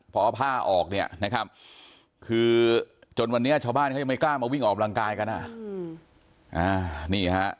เพราะว่าผ้าออกนะครับคือจนวันนี้ชาวบ้านยังไม่กล้ามาวิ่งออกกำลังกายกัน